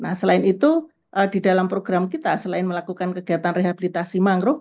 nah selain itu di dalam program kita selain melakukan kegiatan rehabilitasi mangrove